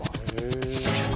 え！